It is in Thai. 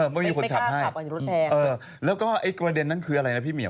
ไม่มีคนขับให้เออไม่มีคนขับให้แล้วก็ไอ้กระเด็นนั้นคืออะไรนะพี่เหมียว